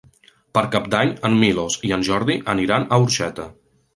Per Cap d'Any en Milos i en Jordi aniran a Orxeta.